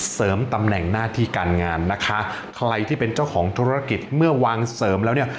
เสริมตำแหน่งหน้าที่การงานนะคะใครที่เป็นเจ้าของธุรกิจเมื่อวางเสริมแล้วเนี่ย